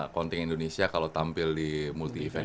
konting indonesia kalo tampil di multi event